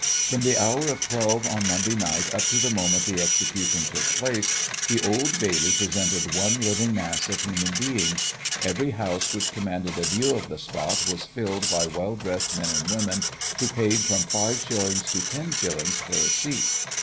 "From the hour of twelve on Monday night up to the moment the execution took place, the Old Bailey presented one living mass of human beings. Every house which commanded a view of the spot was filled by well dressed men and women, who paid from five shillings to ten shillings for a seat.